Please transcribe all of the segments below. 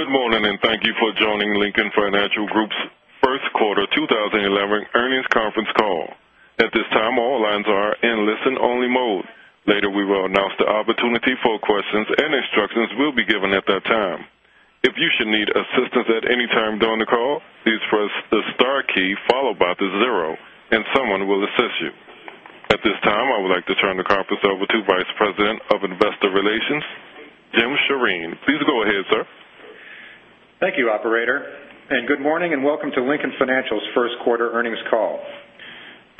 Good morning, thank you for joining Lincoln Financial Group's first quarter 2011 earnings conference call. At this time, all lines are in listen only mode. Later, we will announce the opportunity for questions, and instructions will be given at that time. If you should need assistance at any time during the call, please press the star key followed by zero, and someone will assist you. I would like to turn the conference over to Vice President of Investor Relations, Jim Sjoreen. Please go ahead, sir. Thank you, operator, good morning, and welcome to Lincoln Financial's first quarter earnings call.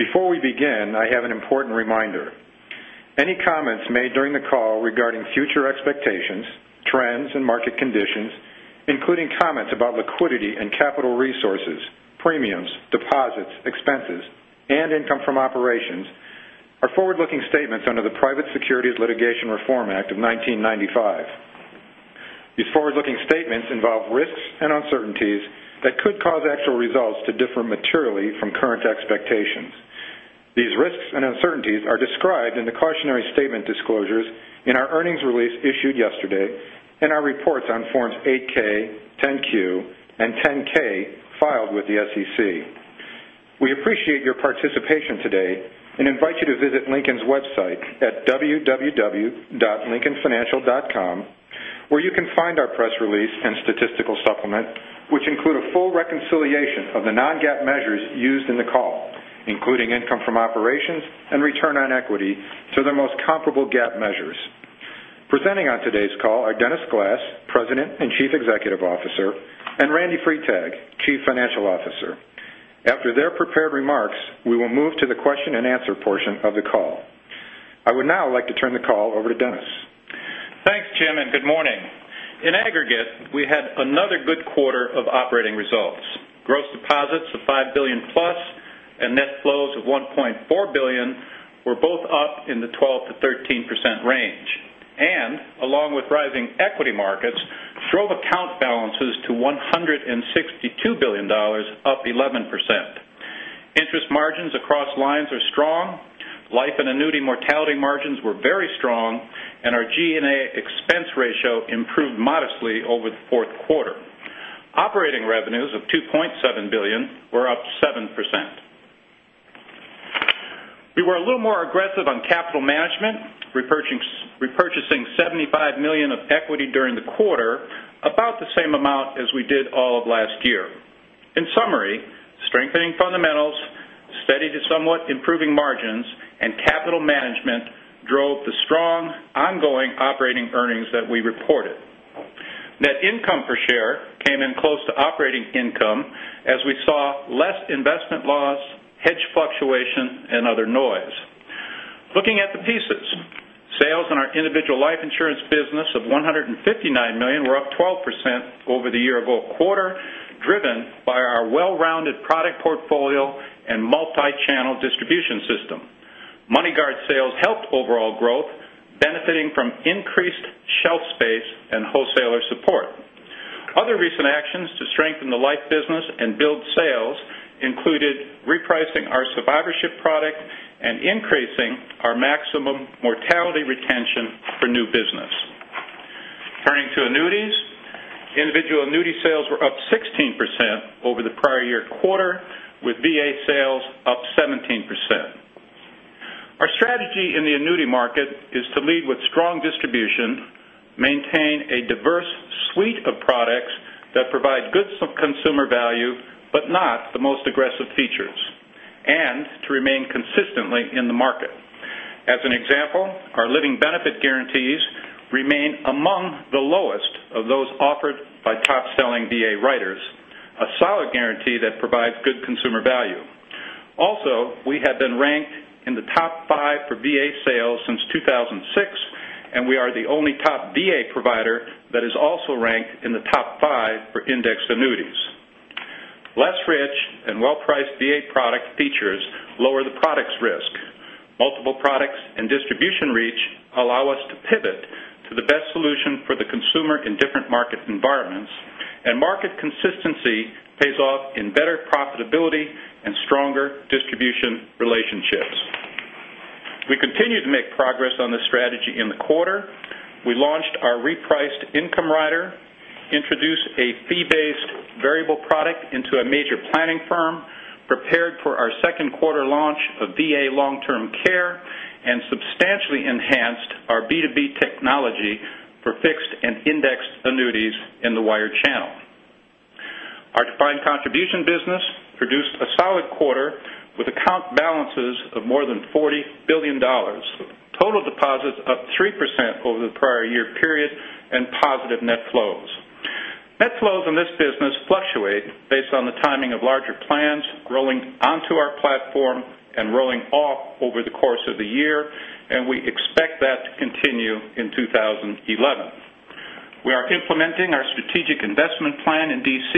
Before we begin, I have an important reminder. Any comments made during the call regarding future expectations, trends and market conditions, including comments about liquidity and capital resources, premiums, deposits, expenses, and income from operations, are forward-looking statements under the Private Securities Litigation Reform Act of 1995. These forward-looking statements involve risks and uncertainties that could cause actual results to differ materially from current expectations. These risks and uncertainties are described in the cautionary statement disclosures in our earnings release issued yesterday and our reports on Forms 8-K, 10-Q, and 10-K filed with the SEC. We appreciate your participation today and invite you to visit Lincoln's website at www.lincolnfinancial.com where you can find our press release and statistical supplement, which include a full reconciliation of the non-GAAP measures used in the call, including income from operations and return on equity to the most comparable GAAP measures. Presenting on today's call are Dennis Glass, President and Chief Executive Officer, and Randy Freitag, Chief Financial Officer. After their prepared remarks, we will move to the question and answer portion of the call. I would now like to turn the call over to Dennis. Thanks, Jim, good morning. In aggregate, we had another good quarter of operating results. Gross deposits of $5 billion plus and net flows of $1.4 billion were both up in the 12%-13% range, and along with rising equity markets, drove account balances to $162 billion, up 11%. Interest margins across lines are strong. Life and annuity mortality margins were very strong, and our G&A expense ratio improved modestly over the fourth quarter. Operating revenues of $2.7 billion were up 7%. We were a little more aggressive on capital management, repurchasing $75 million of equity during the quarter, about the same amount as we did all of last year. In summary, strengthening fundamentals, steady to somewhat improving margins, and capital management drove the strong ongoing operating earnings that we reported. Net income per share came in close to operating income as we saw less investment loss, hedge fluctuation, and other noise. Looking at the pieces. Sales in our individual life insurance business of $159 million were up 12% over the year-over-quarter, driven by our well-rounded product portfolio and multi-channel distribution system. MoneyGuard sales helped overall growth, benefiting from increased shelf space and wholesaler support. Other recent actions to strengthen the life business and build sales included repricing our survivorship product and increasing our maximum mortality retention for new business. Turning to annuities. Individual annuity sales were up 16% over the prior year quarter, with VA sales up 17%. Our strategy in the annuity market is to lead with strong distribution, maintain a diverse suite of products that provide good consumer value, but not the most aggressive features, to remain consistently in the market. As an example, our living benefit guarantees remain among the lowest of those offered by top-selling VA writers, a solid guarantee that provides good consumer value. Also, we have been ranked in the top five for VA sales since 2006, and we are the only top VA provider that is also ranked in the top five for indexed annuities. Less rich and well-priced VA product features lower the product's risk. Multiple products and distribution reach allow us to pivot to the best solution for the consumer in different market environments. Market consistency pays off in better profitability and stronger distribution relationships. We continue to make progress on this strategy in the quarter. We launched our repriced income rider, introduced a fee-based variable product into a major planning firm, prepared for our second quarter launch of VA long-term care, and substantially enhanced our B2B technology for fixed and indexed annuities in the wired channel. Our defined contribution business produced a solid quarter with account balances of more than $40 billion. Total deposits up 3% over the prior year period and positive net flows. Net flows in this business fluctuate based on the timing of larger plans rolling onto our platform and rolling off over the course of the year. We expect that to continue in 2011. We are implementing our strategic investment plan in DC,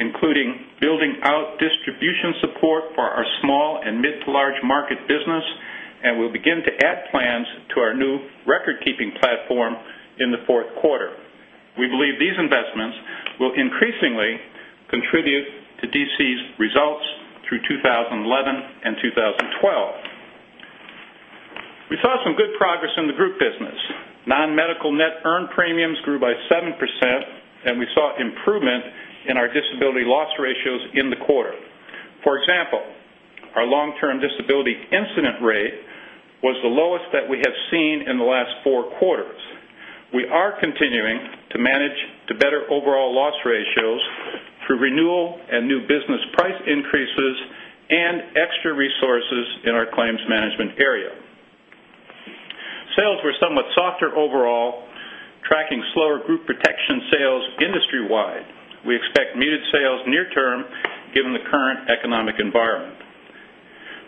including building out distribution support for our small and mid to large market business, and we'll begin to add plans to our new record-keeping platform in the fourth quarter. We believe these investments will increasingly contribute to DC's results through 2011 and 2012. Progress in the group business. Non-medical net earned premiums grew by 7%. We saw improvement in our disability loss ratios in the quarter. For example, our long-term disability incident rate was the lowest that we have seen in the last four quarters. We are continuing to manage to better overall loss ratios through renewal and new business price increases and extra resources in our claims management area. Sales were somewhat softer overall, tracking slower group protection sales industry-wide. We expect muted sales near-term given the current economic environment.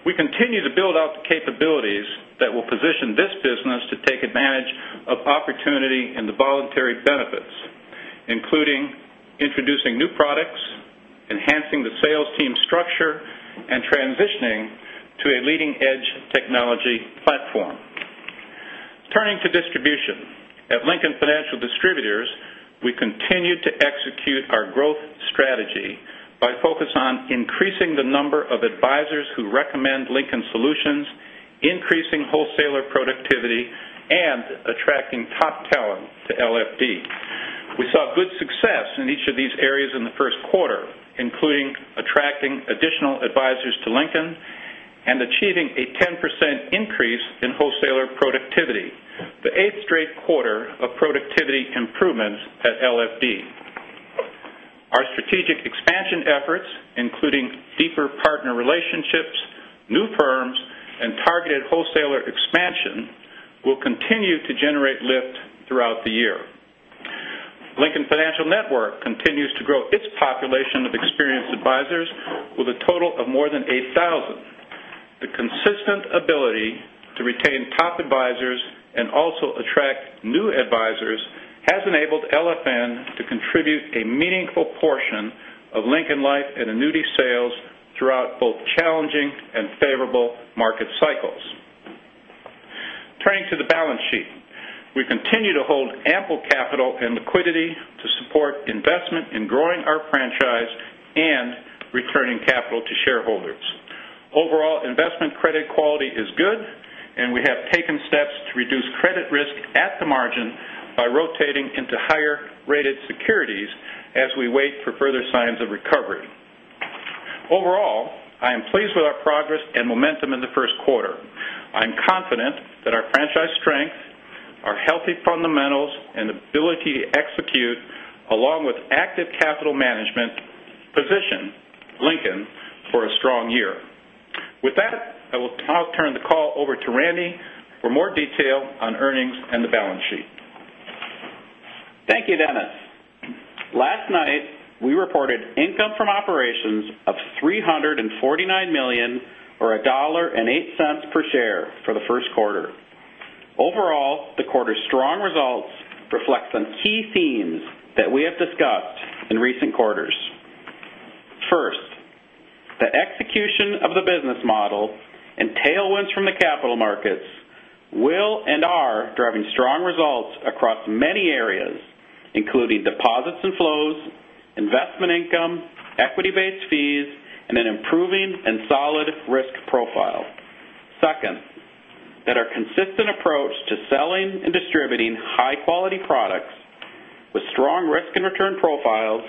We continue to build out the capabilities that will position this business to take advantage of opportunity in the voluntary benefits, including introducing new products, enhancing the sales team structure, and transitioning to a leading-edge technology platform. Turning to distribution. At Lincoln Financial Distributors, we continue to execute our growth strategy by focus on increasing the number of advisors who recommend Lincoln solutions, increasing wholesaler productivity, and attracting top talent to LFD. We saw good success in each of these areas in the first quarter, including attracting additional advisors to Lincoln and achieving a 10% increase in wholesaler productivity, the eighth straight quarter of productivity improvements at LFD. Our strategic expansion efforts, including deeper partner relationships, new firms, and targeted wholesaler expansion, will continue to generate lift throughout the year. Lincoln Financial Network continues to grow its population of experienced advisors with a total of more than 8,000. The consistent ability to retain top advisors and also attract new advisors has enabled LFN to contribute a meaningful portion of Lincoln Life and annuity sales throughout both challenging and favorable market cycles. Turning to the balance sheet. We continue to hold ample capital and liquidity to support investment in growing our franchise and returning capital to shareholders. Overall investment credit quality is good, and we have taken steps to reduce credit risk at the margin by rotating into higher-rated securities as we wait for further signs of recovery. Overall, I am pleased with our progress and momentum in the first quarter. I'm confident that our franchise strength, our healthy fundamentals, and ability to execute, along with active capital management, position Lincoln for a strong year. With that, I will now turn the call over to Randy for more detail on earnings and the balance sheet. Thank you, Dennis. Last night, we reported income from operations of $349 million or $1.08 per share for the first quarter. Overall, the quarter's strong results reflect some key themes that we have discussed in recent quarters. First, the execution of the business model and tailwinds from the capital markets will and are driving strong results across many areas, including deposits and flows, investment income, equity-based fees, and an improving and solid risk profile. Second, that our consistent approach to selling and distributing high-quality products with strong risk and return profiles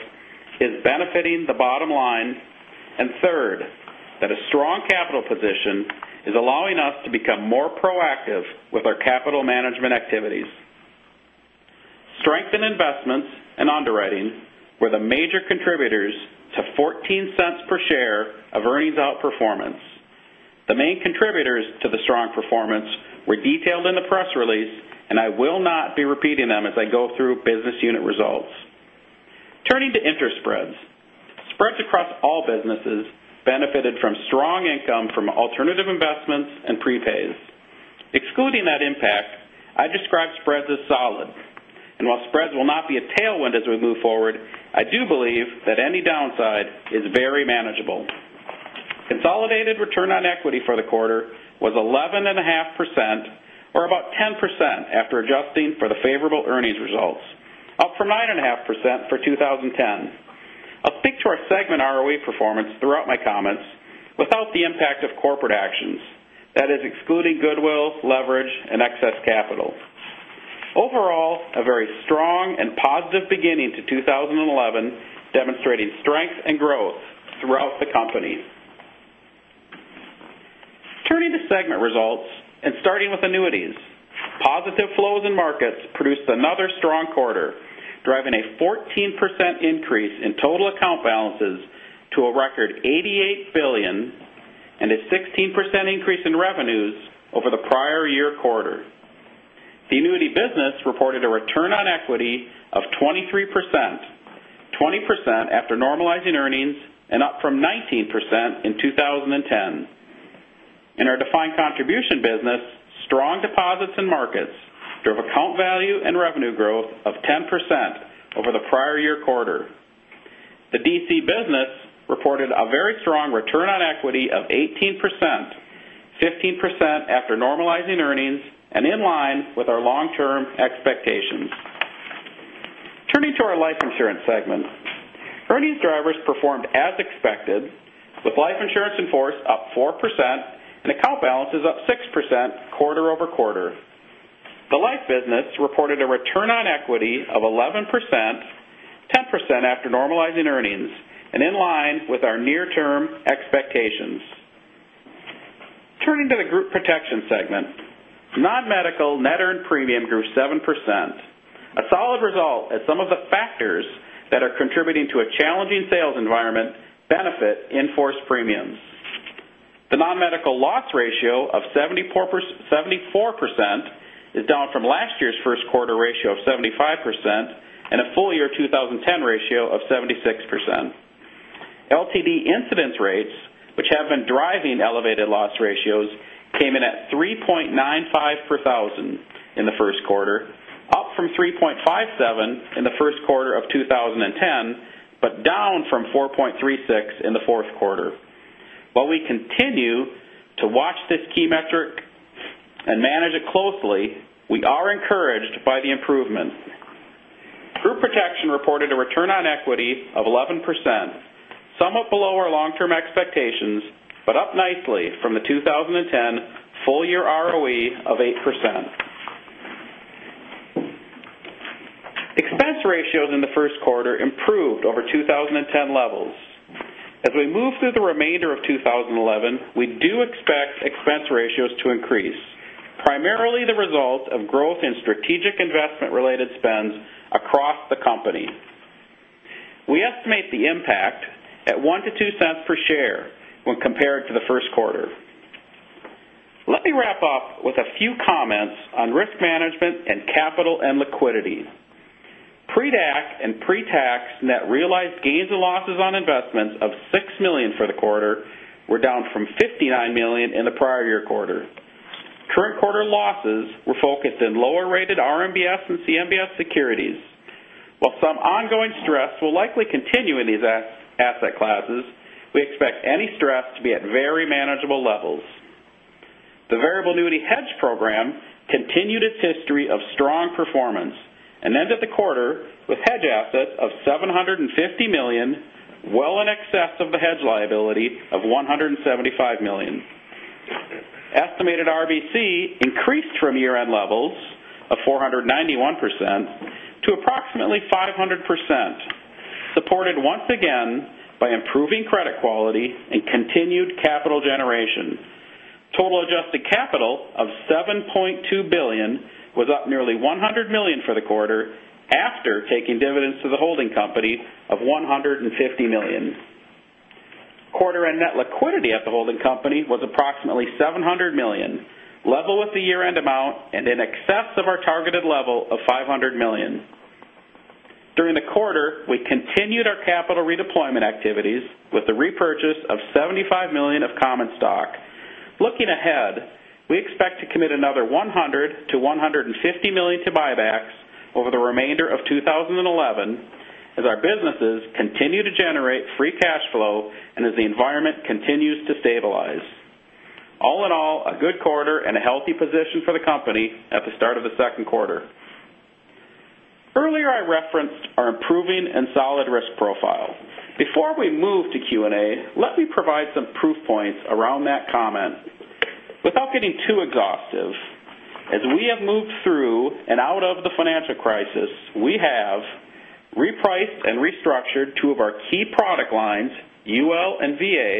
is benefiting the bottom line. Third, that a strong capital position is allowing us to become more proactive with our capital management activities. Strength in investments and underwriting were the major contributors to $0.14 per share of earnings outperformance. The main contributors to the strong performance were detailed in the press release. I will not be repeating them as I go through business unit results. Turning to interest spreads. Spreads across all businesses benefited from strong income from alternative investments and prepays. Excluding that impact, I describe spreads as solid. While spreads will not be a tailwind as we move forward, I do believe that any downside is very manageable. Consolidated return on equity for the quarter was 11.5%, or about 10% after adjusting for the favorable earnings results, up from 9.5% for 2010. I'll speak to our segment ROE performance throughout my comments without the impact of corporate actions, that is excluding goodwill, leverage, and excess capital. Overall, a very strong and positive beginning to 2011, demonstrating strength and growth throughout the company. Turning to segment results and starting with annuities. Positive flows in markets produced another strong quarter, driving a 14% increase in total account balances to a record $88 billion and a 16% increase in revenues over the prior year quarter. The annuity business reported a return on equity of 23%, 20% after normalizing earnings and up from 19% in 2010. In our defined contribution business, strong deposits in markets drove account value and revenue growth of 10% over the prior year quarter. The DC business reported a very strong return on equity of 18%, 15% after normalizing earnings and in line with our long-term expectations. Turning to our life insurance segment. Earnings drivers performed as expected with life insurance in force up 4% and account balances up 6% quarter-over-quarter. The life business reported a return on equity of 11%, 10% after normalizing earnings and in line with our near-term expectations. Turning to the Group Protection segment. Non-medical net earned premium grew 7%, a solid result as some of the factors that are contributing to a challenging sales environment benefit in-force premiums. The non-medical loss ratio of 74% is down from last year's first quarter ratio of 75% and a full-year 2010 ratio of 76%. LTD incidence rates, which have been driving elevated loss ratios, came in at 3.95 per thousand in the first quarter, up from 3.57 in the first quarter of 2010, but down from 4.36 in the fourth quarter. While we continue to watch this key metric and manage it closely, we are encouraged by the improvements. Group Protection reported a return on equity of 11%, somewhat below our long-term expectations, but up nicely from the 2010 full-year ROE of 8%. Expense ratios in the first quarter improved over 2010 levels. As we move through the remainder of 2011, we do expect expense ratios to increase, primarily the result of growth in strategic investment related spends across the company. We estimate the impact at $0.01-$0.02 per share when compared to the first quarter. Let me wrap up with a few comments on risk management and capital and liquidity. Pre-DAC and pre-tax net realized gains and losses on investments of $6 million for the quarter were down from $59 million in the prior year quarter. Current quarter losses were focused in lower rated RMBS and CMBS securities. While some ongoing stress will likely continue in these asset classes, we expect any stress to be at very manageable levels. The variable annuity hedge program continued its history of strong performance and ended the quarter with hedge assets of $750 million, well in excess of the hedge liability of $175 million. Estimated RBC increased from year-end levels of 491% to approximately 500%, supported once again by improving credit quality and continued capital generation. Total adjusted capital of $7.2 billion was up nearly $100 million for the quarter after taking dividends to the holding company of $150 million. Quarter-end net liquidity at the holding company was approximately $700 million, level with the year-end amount and in excess of our targeted level of $500 million. During the quarter, we continued our capital redeployment activities with the repurchase of $75 million of common stock. Looking ahead, we expect to commit another $100 million-$150 million to buybacks over the remainder of 2011 as our businesses continue to generate free cash flow and as the environment continues to stabilize. All in all, a good quarter and a healthy position for the company at the start of the second quarter. Earlier, I referenced our improving and solid risk profile. Before we move to Q&A, let me provide some proof points around that comment. Without getting too exhaustive, as we have moved through and out of the financial crisis, we have repriced and restructured two of our key product lines, UL and VA,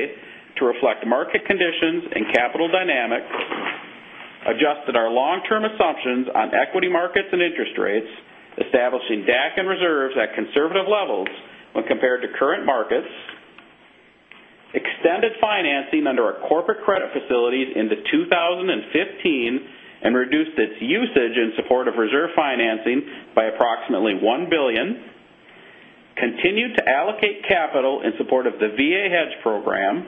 to reflect market conditions and capital dynamics, adjusted our long-term assumptions on equity markets and interest rates, establishing DAC and reserves at conservative levels when compared to current markets, extended financing under our corporate credit facilities into 2015, and reduced its usage in support of reserve financing by approximately $1 billion, continued to allocate capital in support of the VA hedge program,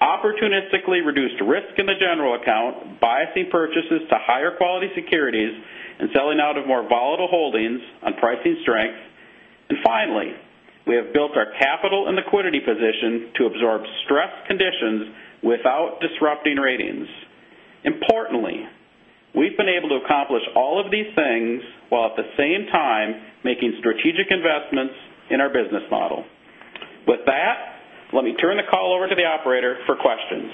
opportunistically reduced risk in the general account, biasing purchases to higher quality securities and selling out of more volatile holdings on pricing strength. Finally, we have built our capital and liquidity position to absorb stress conditions without disrupting ratings. Importantly, we've been able to accomplish all of these things while at the same time making strategic investments in our business model. With that, let me turn the call over to the operator for questions.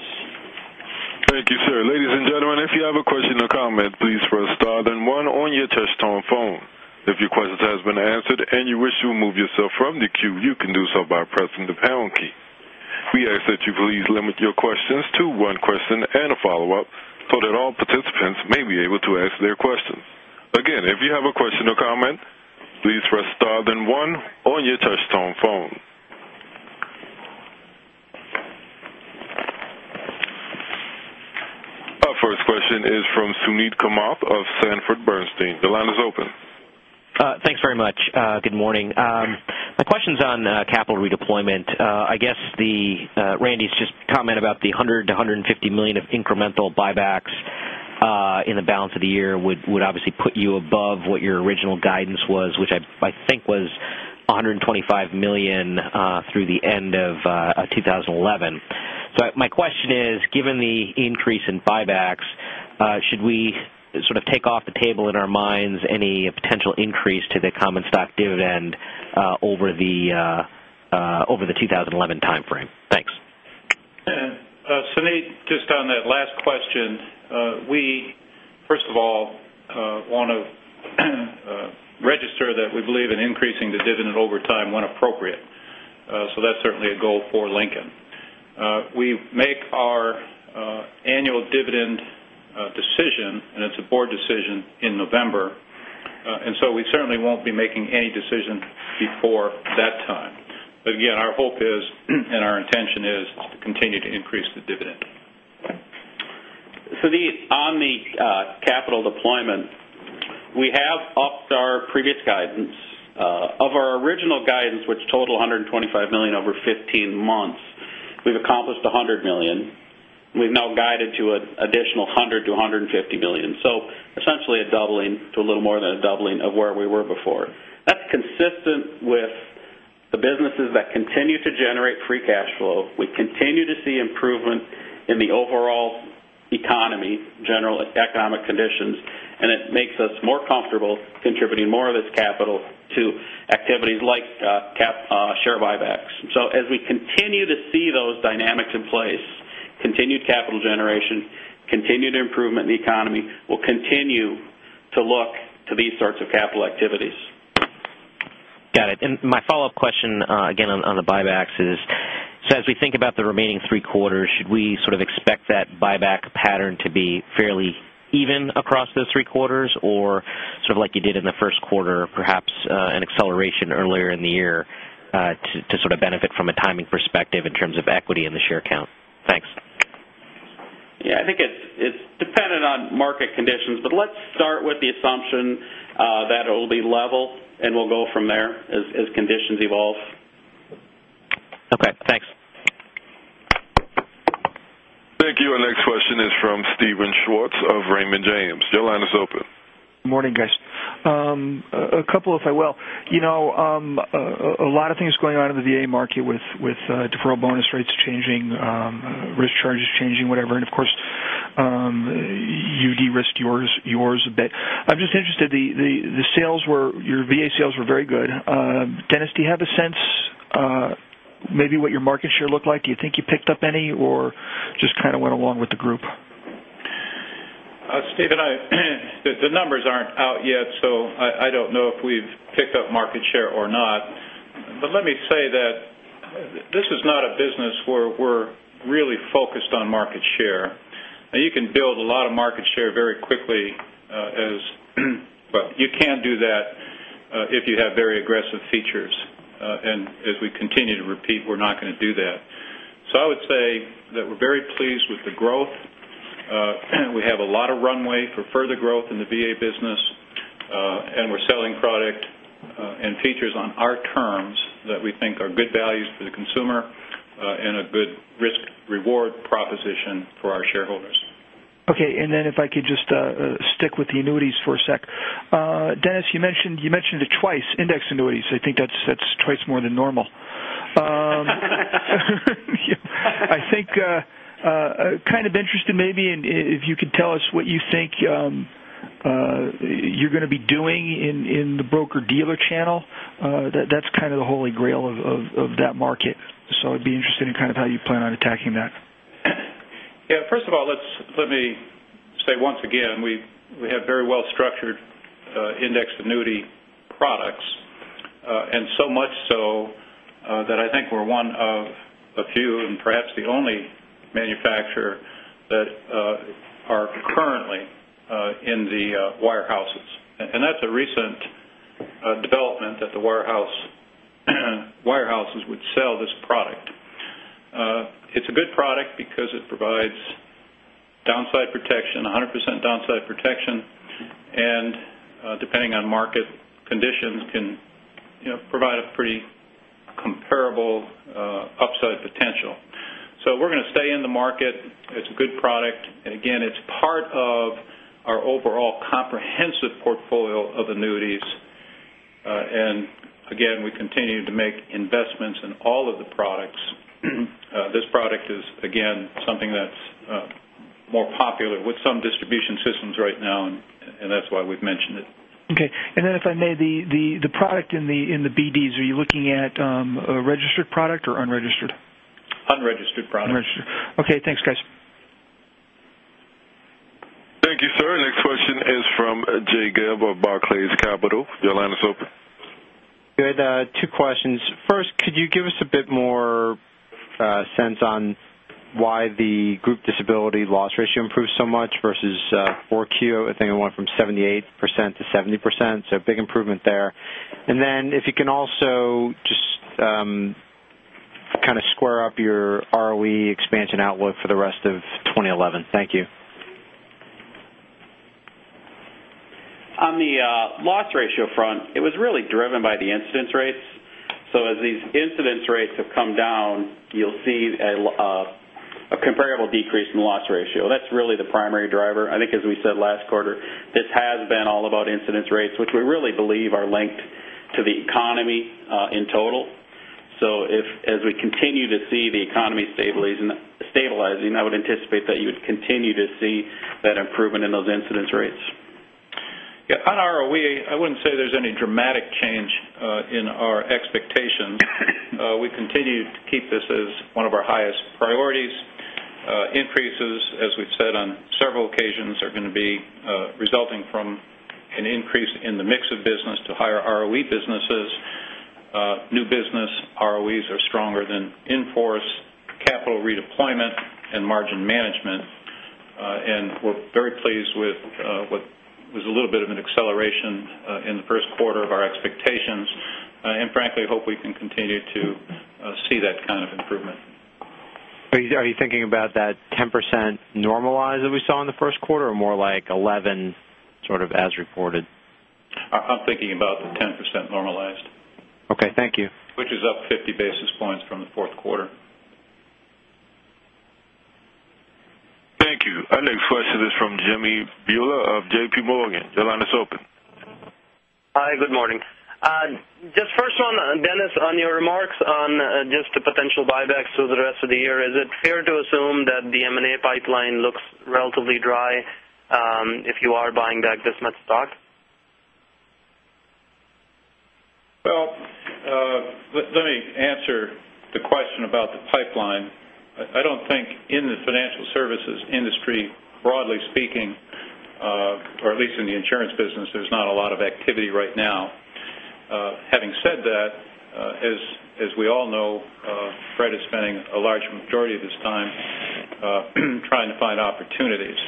Thank you, sir. Ladies and gentlemen, if you have a question or comment, please press star then one on your touch-tone phone. If your question has been answered and you wish to remove yourself from the queue, you can do so by pressing the pound key. We ask that you please limit your questions to one question and a follow-up so that all participants may be able to ask their questions. Again, if you have a question or comment, please press star then one on your touch-tone phone. Our first question is from Suneet Kamath of Sanford Bernstein. The line is open. Thanks very much. Good morning. Yeah. My question's on capital redeployment. I guess Randy's comment about the $100 million-$150 million of incremental buybacks in the balance of the year would obviously put you above what your original guidance was, which I think was $125 million through the end of 2011. My question is, given the increase in buybacks, should we take off the table in our minds any potential increase to the common stock dividend over the 2011 timeframe? Thanks. Suneet, just on that last question. We, first of all, want to register that we believe in increasing the dividend over time when appropriate. That's certainly a goal for Lincoln. We make our annual dividend decision, and it's a board decision, in November, and so we certainly won't be making any decision before that time. Again, our hope is, and our intention is, to continue to increase the dividend. Suneet, on the capital deployment, we have upped our previous guidance. Of our original guidance, which totaled $125 million over 15 months, we've accomplished $100 million, and we've now guided to an additional $100 million-$150 million. Essentially a doubling to a little more than a doubling of where we were before. That's consistent with the businesses that continue to generate free cash flow. We continue to see improvement in the overall economy, general economic conditions, and it makes us more comfortable contributing more of this capital to activities like share buybacks. As we continue to see those dynamics in place, continued capital generation, continued improvement in the economy, we'll continue to look to these sorts of capital activities. Got it. My follow-up question, again, on the buybacks is, so as we think about the remaining three quarters, should we sort of expect that buyback pattern to be fairly even across those three quarters or sort of like you did in the first quarter, perhaps an acceleration earlier in the year to sort of benefit from a timing perspective in terms of equity in the share count? Thanks. Yeah, I think it's dependent on market conditions. Let's start with the assumption that it will be level, and we'll go from there as conditions evolve. Okay, thanks. Thank you. Our next question is from Steven Schwartz of Raymond James. Your line is open. Morning, guys. A couple, if I will. A lot of things going on in the VA market with deferral bonus rates changing, risk charges changing, whatever, and of course, you de-risked yours a bit. I'm just interested, your VA sales were very good. Dennis, do you have a sense maybe what your market share looked like? Do you think you picked up any or just kind of went along with the group? Steven, the numbers aren't out yet, so I don't know if we've picked up market share or not. Let me say that this is not a business where we're really focused on market share. You can build a lot of market share very quickly. You can do that if you have very aggressive features. As we continue to repeat, we're not going to do that. I would say that we're very pleased with the growth. We have a lot of runway for further growth in the VA business, and we're selling product and features on our terms that we think are good values for the consumer and a good risk-reward proposition for our shareholders. If I could just stick with the annuities for a sec. Dennis, you mentioned it twice, indexed annuities. I think that's twice more than normal. I think, kind of interested maybe if you could tell us what you think you're going to be doing in the broker-dealer channel. That's kind of the holy grail of that market. I'd be interested in kind of how you plan on attacking that. Yeah. First of all, let me say once again, we have very well-structured indexed annuity products. So much so that I think we're one of a few, and perhaps the only manufacturer that are currently in the warehouses. That's a recent development that the warehouses would sell this product. It's a good product because it provides downside protection, 100% downside protection, and depending on market conditions, can provide a pretty comparable upside potential. We're going to stay in the market. It's a good product. Again, it's part of our overall comprehensive portfolio of annuities. Again, we continue to make investments in all of the products. This product is, again, something that's more popular with some distribution systems right now, and that's why we've mentioned it. If I may, the product in the BDs, are you looking at a registered product or unregistered? Unregistered product. Unregistered. Okay, thanks, guys. Thank you, sir. Next question is from Jay Gelb of Barclays Capital. Your line is open. Good. Two questions. First, could you give us a bit more sense on why the group disability loss ratio improved so much versus 4Q? I think it went from 78% to 70%, so big improvement there. If you can also just kind of square up your ROE expansion outlook for the rest of 2011. Thank you. On the loss ratio front, it was really driven by the incidence rates. As these incidence rates have come down, you'll see a comparable decrease in loss ratio. That's really the primary driver. I think as we said last quarter, this has been all about incidence rates, which we really believe are linked to the economy in total. As we continue to see the economy stabilizing, I would anticipate that you would continue to see that improvement in those incidence rates. Yeah, on ROE, I wouldn't say there's any dramatic change in our expectations. We continue to keep this as one of our highest priorities. Increases, as we've said on several occasions, are going to be resulting from an increase in the mix of business to higher ROE businesses. New business ROEs are stronger than in-force capital redeployment and margin management. We're very pleased with what was a little bit of an acceleration in the first quarter of our expectations, and frankly, hope we can continue to see that kind of improvement. Are you thinking about that 10% normalize that we saw in the first quarter or more like 11%, sort of as reported? I'm thinking about the 10% normalized. Okay, thank you. Which is up 50 basis points from the fourth quarter. Thank you. Our next question is from Jimmy Bhoola of JP Morgan. Your line is open. Hi, good morning. Just first one, Dennis, on your remarks on just the potential buybacks through the rest of the year, is it fair to assume that the M&A pipeline looks relatively dry if you are buying back this much stock? Well, let me answer the question about the pipeline. I don't think in the financial services industry, broadly speaking, or at least in the insurance business, there's not a lot of activity right now. Having said that, as we all know, Fred is spending a large majority of his time trying to find opportunities.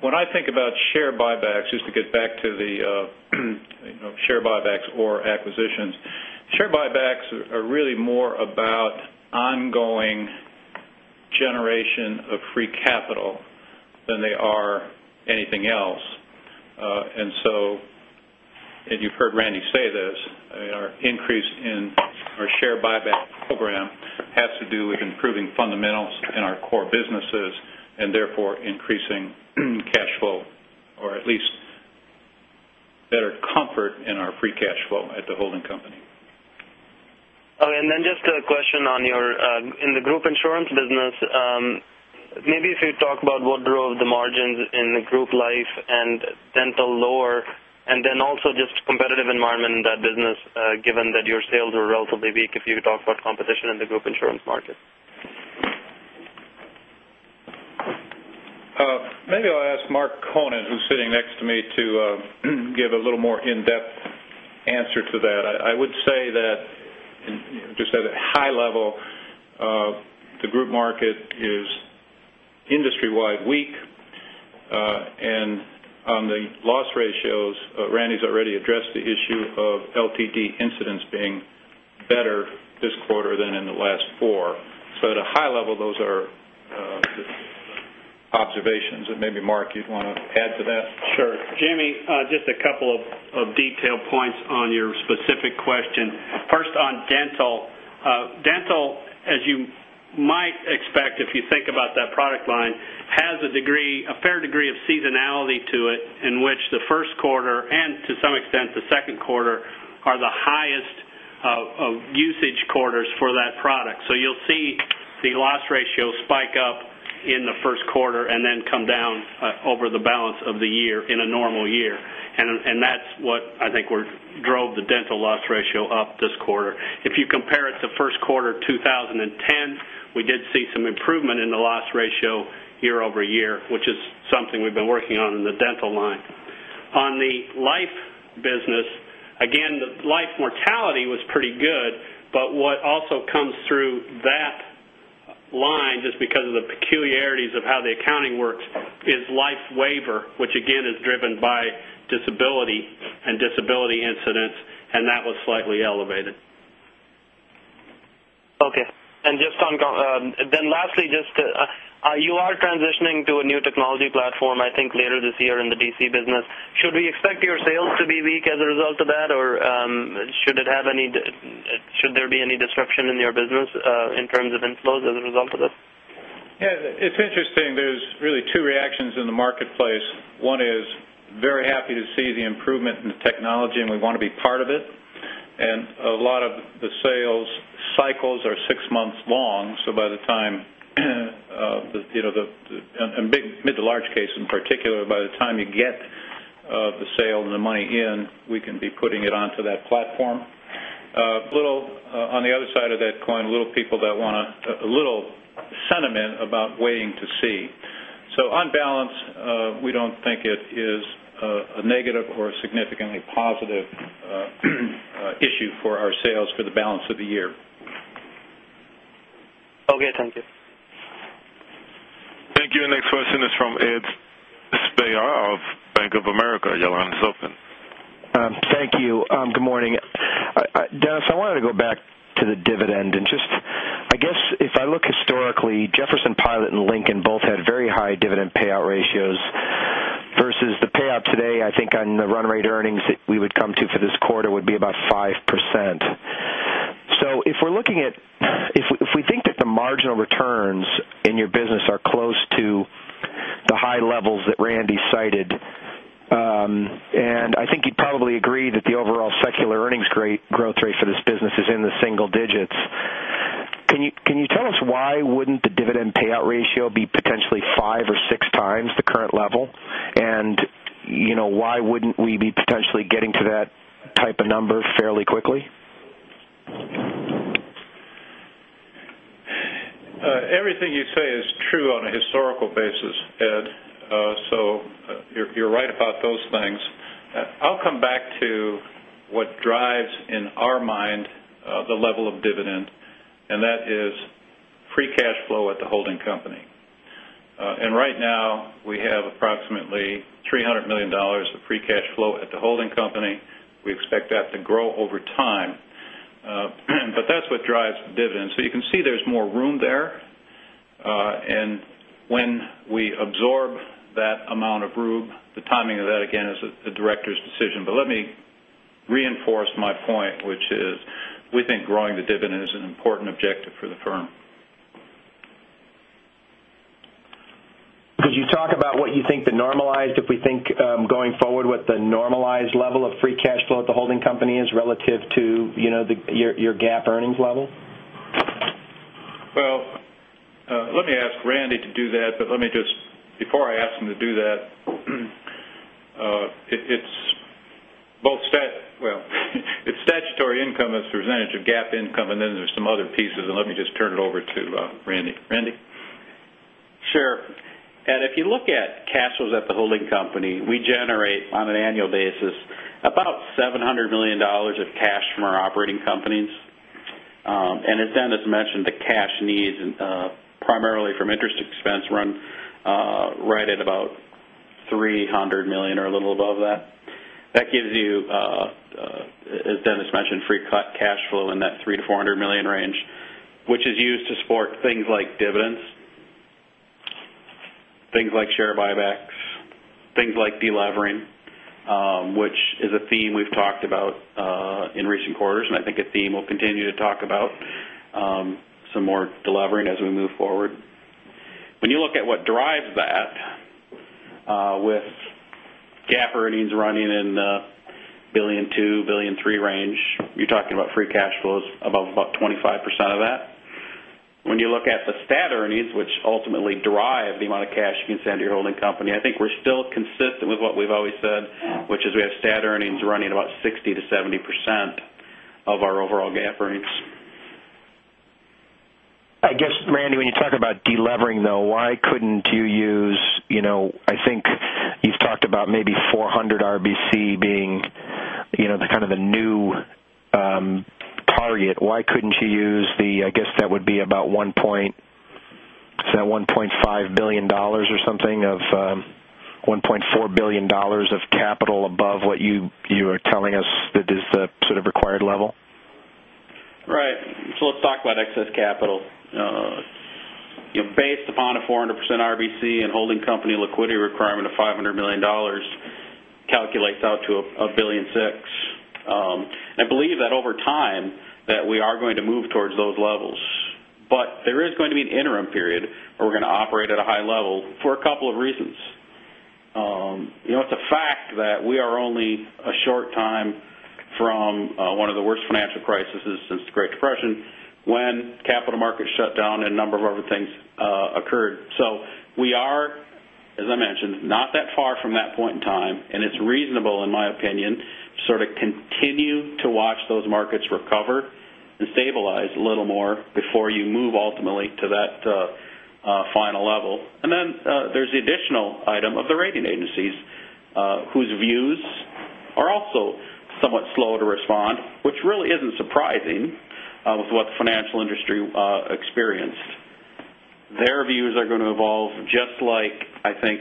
When I think about share buybacks, just to get back to the share buybacks or acquisitions, share buybacks are really more about ongoing generation of free capital than they are anything else. You've heard Randy say this, our increase in our share buyback program has to do with improving fundamentals in our core businesses and therefore increasing cash flow or at least better comfort in our free cash flow at the holding company. Okay, just a question on your, in the group insurance business, maybe if you talk about what drove the margins in group life and dental lower, and then also just competitive environment in that business, given that your sales are relatively weak, if you could talk about competition in the group insurance market. Maybe I'll ask Mark Condon, who's sitting next to me to give a little more in-depth answer to that. I would say that, just at a high level, the group market is industry-wide weak. On the loss ratios, Randy's already addressed the issue of LTD incidents being better this quarter than in the last four. At a high level, those are just observations that maybe Mark, you'd want to add to that. Sure. Jimmy, just a couple of detail points on your specific question. First, on dental. Dental, as you might expect if you think about that product line, has a fair degree of seasonality to it in which the first quarter, and to some extent the second quarter, are the highest usage quarters for that product. You'll see the loss ratio spike up in the first quarter and then come down over the balance of the year in a normal year. That's what I think drove the dental loss ratio up this quarter. If you compare it to first quarter 2010, we did see some improvement in the loss ratio year-over-year, which is something we've been working on in the dental line. On the life business, again, life mortality was pretty good, but what also comes through that line, just because of the peculiarities of how the accounting works, is life waiver, which again is driven by disability and disability incidents, and that was slightly elevated. Okay. Lastly, you are transitioning to a new technology platform, I think later this year in the DC business. Should we expect your sales to be weak as a result of that? Should there be any disruption in your business, in terms of inflows as a result of this? Yeah. It's interesting. There's really two reactions in the marketplace. One is very happy to see the improvement in the technology, and we want to be part of it. A lot of the sales cycles are six months long, so by the time the big to large case in particular, by the time you get the sale and the money in, we can be putting it onto that platform. On the other side of that coin, a little sentiment about waiting to see. On balance, we don't think it is a negative or a significantly positive issue for our sales for the balance of the year. Okay, thank you. Thank you. Our next question is from Edward Speer of Bank of America. Your line is open. Thank you. Good morning. Dennis, I wanted to go back to the dividend. I guess if I look historically, Jefferson-Pilot, and Lincoln both had very high dividend payout ratios The run rate earnings that we would come to for this quarter would be about 5%. If we think that the marginal returns in your business are close to the high levels that Randy cited, I think you'd probably agree that the overall secular earnings growth rate for this business is in the single digits, can you tell us why wouldn't the dividend payout ratio be potentially five or six times the current level? Why wouldn't we be potentially getting to that type of number fairly quickly? Everything you say is true on a historical basis, Ed. You're right about those things. I'll come back to what drives, in our mind, the level of dividend, and that is free cash flow at the holding company. Right now we have approximately $300 million of free cash flow at the holding company. We expect that to grow over time. That's what drives dividends. You can see there's more room there. When we absorb that amount of room, the timing of that, again, is a director's decision. Let me reinforce my point, which is we think growing the dividend is an important objective for the firm. Could you talk about what you think the normalized, if we think going forward, what the normalized level of free cash flow at the holding company is relative to your GAAP earnings level? Well, let me ask Randy to do that, but before I ask him to do that, it's statutory income as a percentage of GAAP income, then there's some other pieces. Let me just turn it over to Randy. Randy? Sure. Ed, if you look at cash flows at the holding company, we generate, on an annual basis, about $700 million of cash from our operating companies. As Dennis mentioned, the cash needs, primarily from interest expense, run right at about $300 million or a little above that. That gives you, as Dennis mentioned, free cash flow in that $300 million-$400 million range, which is used to support things like dividends, things like share buybacks, things like de-levering, which is a theme we've talked about in recent quarters, and I think a theme we'll continue to talk about some more de-levering as we move forward. When you look at what drives that with GAAP earnings running in the $1.2 billion-$1.3 billion range, you're talking about free cash flows above about 25% of that. When you look at the stat earnings, which ultimately derive the amount of cash you can send to your holding company, I think we're still consistent with what we've always said, which is we have stat earnings running about 60%-70% of our overall GAAP earnings. I guess, Randy, when you talk about de-levering, though, why couldn't you use, I think you've talked about maybe 400 RBC being the kind of the new target. Why couldn't you use the, I guess that would be about $1.5 billion or something of $1.4 billion of capital above what you are telling us that is the sort of required level? Right. Let's talk about excess capital. Based upon a 400% RBC and holding company liquidity requirement of $500 million calculates out to $1.6 billion. I believe that over time that we are going to move towards those levels. There is going to be an interim period where we're going to operate at a high level for a couple of reasons. It's a fact that we are only a short time from one of the worst financial crises since the Great Depression, when capital markets shut down and a number of other things occurred. We are, as I mentioned, not that far from that point in time, and it's reasonable, in my opinion, to sort of continue to watch those markets recover and stabilize a little more before you move ultimately to that final level. There's the additional item of the rating agencies whose views are also somewhat slow to respond, which really isn't surprising with what the financial industry experienced. Their views are going to evolve just like I think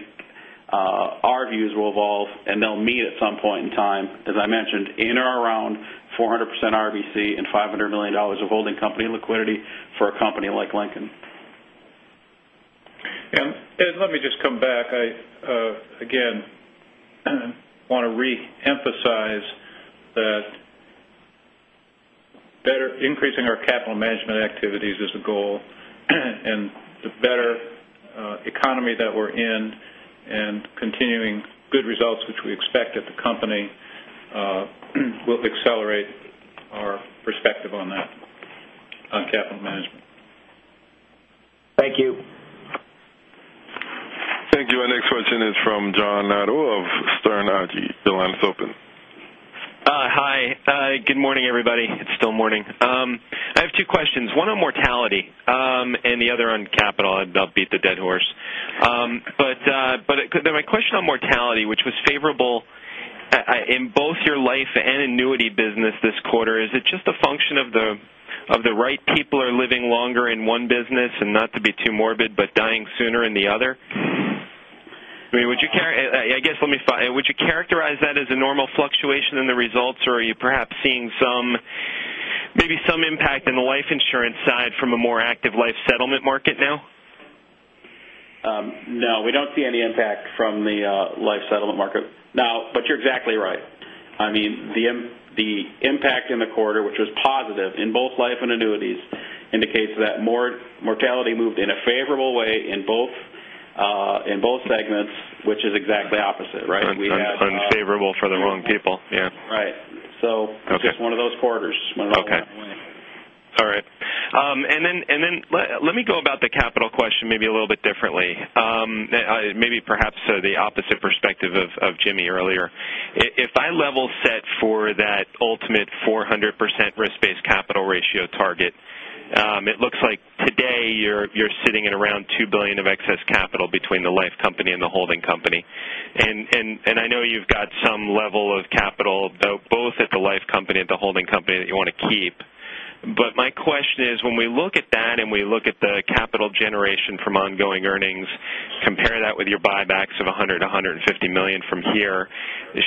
our views will evolve, and they'll meet at some point in time, as I mentioned, in or around 400% RBC and $500 million of holding company liquidity for a company like Lincoln. Let me just come back. I, again, want to re-emphasize that increasing our capital management activities is a goal, and the better economy that we're in and continuing good results, which we expect at the company, will accelerate our perspective on that, on capital management. Thank you. Thank you. Our next question is from John Nadel of Sterne Agee. Your line is open. Hi. Good morning, everybody. It's still morning. I have two questions. One on mortality and the other on capital. I'll beat the dead horse. My question on mortality, which was favorable in both your life and annuity business this quarter, is it just a function of the right people are living longer in one business and not to be too morbid, but dying sooner in the other? Would you characterize that as a normal fluctuation in the results or are you perhaps seeing maybe some impact in the life insurance side from a more active life settlement market now? No, we don't see any impact from the life settlement market. Now, you're exactly right. The impact in the quarter, which was positive in both life and annuities, indicates that mortality moved in a favorable way in both segments, which is exactly opposite, right? Unfavorable for the wrong people. Yeah. Right. Okay It's just one of those quarters. Just went the wrong way. Okay. All right. Then let me go about the capital question maybe a little bit differently. Maybe perhaps the opposite perspective of Jimmy earlier. If I level set for that ultimate 400% risk-based capital ratio target, it looks like today you're sitting at around $2 billion of excess capital between the life company and the holding company. I know you've got some level of capital both at the life company and the holding company that you want to keep. My question is when we look at that and we look at the capital generation from ongoing earnings, compare that with your buybacks of $100 million-$150 million from here,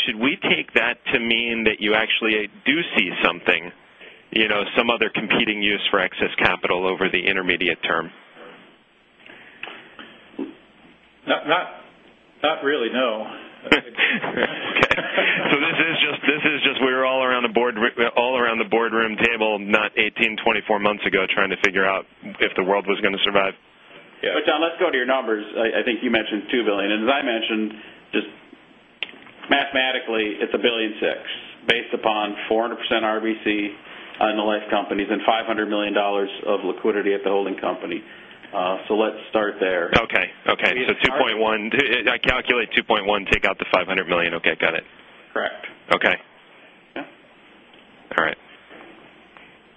should we take that to mean that you actually do see something, some other competing use for excess capital over the intermediate term? Not really, no. Okay. This is just we were all around the boardroom table not 18, 24 months ago trying to figure out if the world was going to survive. Yeah. John, let's go to your numbers. I think you mentioned $2 billion, and as I mentioned, just mathematically, it's $1.6 billion based upon 400% RBC on the life companies and $500 million of liquidity at the holding company. Let's start there. Okay. $2.1. I calculate $2.1, take out the $500 million. Okay, got it. Correct. Okay. Yeah. All right.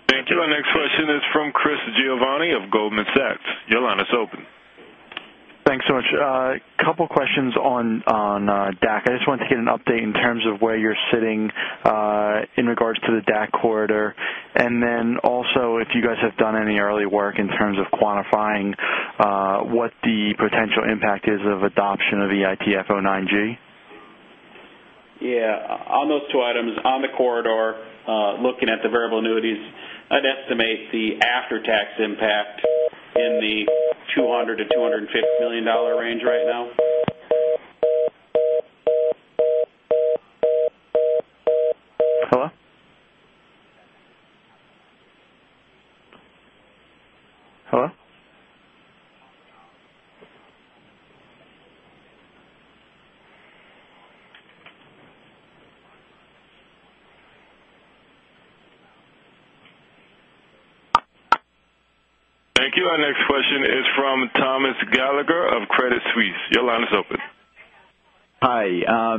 Thank you. Our next question is from Chris Giovanni of Goldman Sachs. Your line is open. Thanks so much. A couple questions on DAC. I just wanted to get an update in terms of where you're sitting in regards to the DAC corridor, and then also if you guys have done any early work in terms of quantifying what the potential impact is of adoption of EITF 09-G. Yeah. On those 2 items, on the corridor, looking at the variable annuities, I'd estimate the after-tax impact in the $200 million-$250 million range right now. Hello? Hello? Thank you. Our next question is from Thomas Gallagher of Credit Suisse. Your line is open. Hi.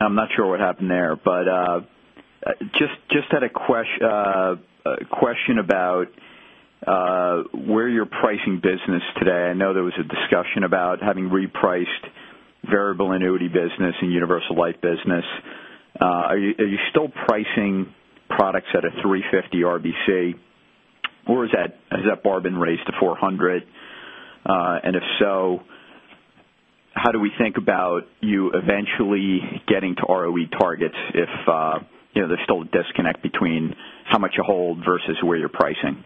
I'm not sure what happened there, just had a question about where you're pricing business today. I know there was a discussion about having repriced variable annuity business and universal life business. Are you still pricing products at a 350 RBC, or has that bar been raised to 400? If so, how do we think about you eventually getting to ROE targets if there's still a disconnect between how much you hold versus where you're pricing?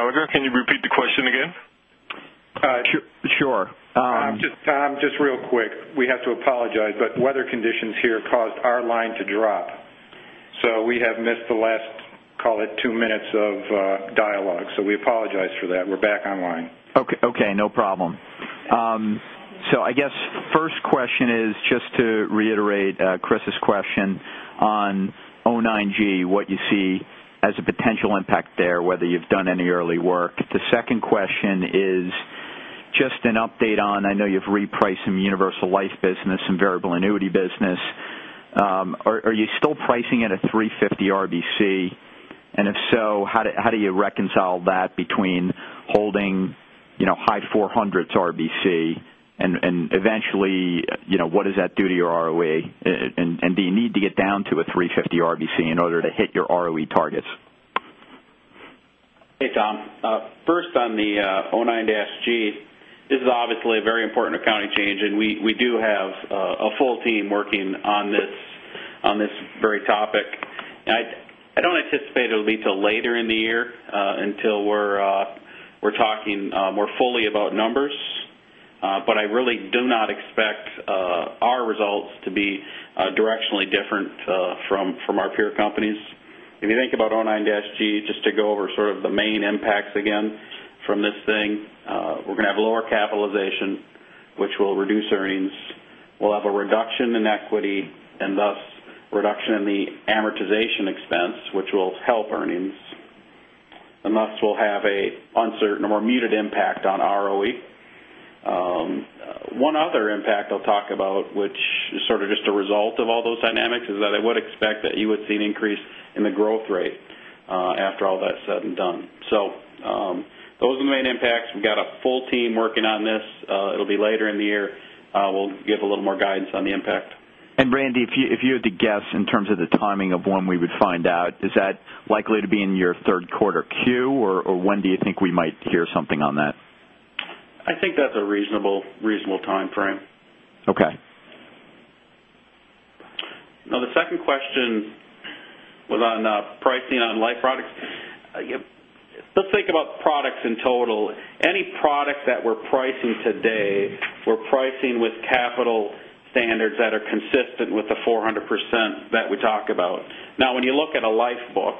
Sorry, Mr. Gallagher, can you repeat the question again? Sure. Tom, just real quick. We have to apologize. Weather conditions here caused our line to drop. We have missed the last, call it two minutes of dialogue. We apologize for that. We are back online. Okay, no problem. I guess first question is just to reiterate Chris's question on 09-G, what you see as a potential impact there, whether you have done any early work. The second question is just an update on, I know you have repriced some universal life business and variable annuity business. Are you still pricing it at 350 RBC? If so, how do you reconcile that between holding high 400s RBC, eventually, what does that do to your ROE? Do you need to get down to a 350 RBC in order to hit your ROE targets? Hey, Tom. First on the 09-G, this is obviously a very important accounting change. We do have a full team working on this very topic. I do not anticipate it will be until later in the year until we are talking more fully about numbers. I really do not expect our results to be directionally different from our peer companies. If you think about 09-G, just to go over sort of the main impacts again from this thing. We are going to have lower capitalization, which will reduce earnings. We will have a reduction in equity and thus reduction in the amortization expense, which will help earnings. Thus, we will have an uncertain or more muted impact on ROE. One other impact I will talk about, which is sort of just a result of all those dynamics, is that I would expect that you would see an increase in the growth rate after all that is said and done. Those are the main impacts. We have got a full team working on this. It will be later in the year. We will give a little more guidance on the impact. Randy, if you had to guess in terms of the timing of when we would find out, is that likely to be in your third quarter queue or when do you think we might hear something on that? I think that's a reasonable timeframe. Okay. The second question was on pricing on life products. Let's think about products in total. Any product that we're pricing today, we're pricing with capital standards that are consistent with the 400% that we talk about. When you look at a life book,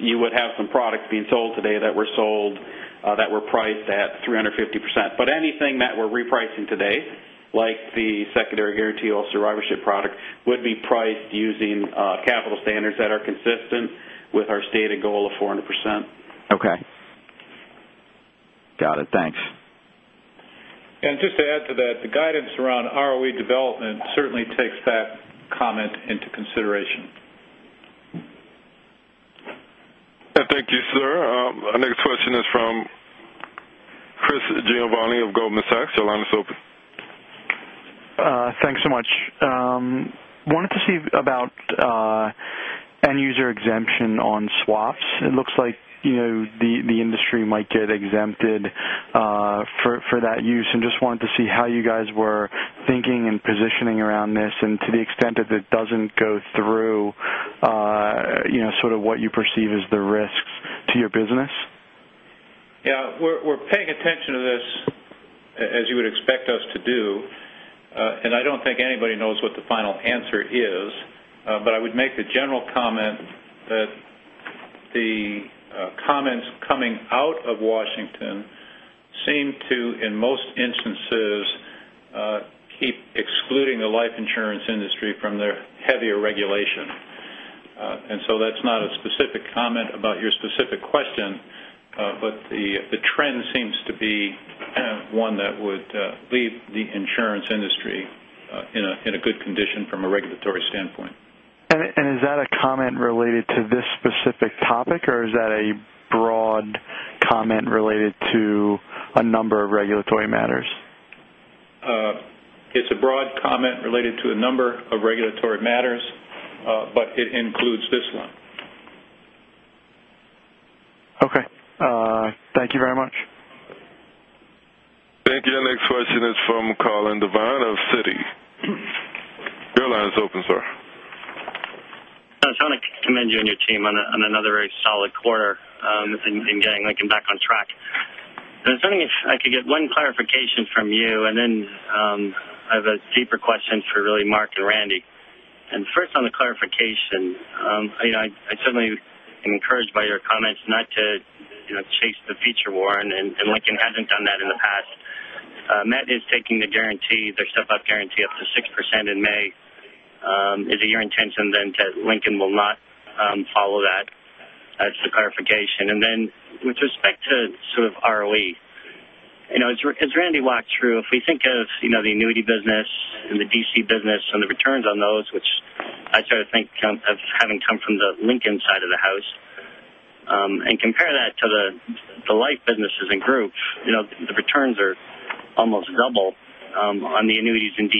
you would have some products being sold today that were priced at 350%. Anything that we're repricing today, like the secondary guarantee or survivorship product, would be priced using capital standards that are consistent with our stated goal of 400%. Okay. Got it. Thanks. Just to add to that, the guidance around ROE development certainly takes that comment into consideration. Thank you, sir. Our next question is from Chris Giovanni of Goldman Sachs. Your line is open. Thanks so much. Wanted to see about end user exemption on swaps. It looks like the industry might get exempted for that use, just wanted to see how you guys were thinking and positioning around this, to the extent that it doesn't go through, sort of what you perceive as the risks to your business. Yeah. We're paying attention to this, as you would expect us to do. I don't think anybody knows what the final answer is. I would make the general comment that the comments coming out of Washington seem to, in most instances, keep excluding the life insurance industry from their heavier regulation. That's not a specific comment about your specific question, the trend seems to be one that would leave the insurance industry in a good condition from a regulatory standpoint. Is that a comment related to this specific topic, or is that a broad comment related to a number of regulatory matters? It's a broad comment related to a number of regulatory matters, but it includes this one. Okay. Thank you very much. Thank you. Our next question is from Colin Devine of Citi. Your line is open, sir. I just want to commend you and your team on another very solid quarter in getting Lincoln back on track. I was wondering if I could get one clarification from you, then I have a deeper question for really Mark and Randy. First on the clarification. I certainly am encouraged by your comments not to chase the feature war, and Lincoln hasn't done that in the past. Met is taking their step-up guarantee up to 6% in May. Is it your intention that Lincoln will not follow that? That's the clarification. With respect to sort of ROE, as Randy walked through, if we think of the annuity business and the DC business and the returns on those, which I sort of think of having come from the Lincoln side of the house, and compare that to the life businesses in groups, the returns are almost double on the annuities in